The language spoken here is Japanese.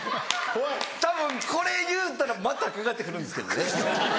たぶんこれ言うたらまたかかって来るんですけどね。